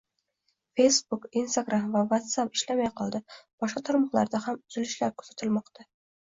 Facebook, Instagram va WhatsApp ishlamay qoldi, boshqa tarmoqlarda ham uzilishlar kuzatilmoqda